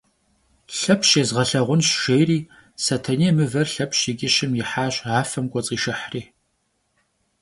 Lhepş yêzğelhağunş, – jjêri Setenêy mıver Lhepş yi ç'ışım yihaş, afem k'uets'işşıhri.